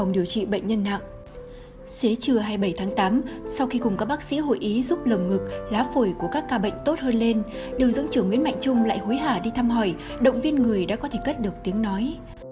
điều dưỡng trưởng nguyễn mạnh trung lại hối hả đi thăm hỏi động viên người đã có thể cất được tiếng nói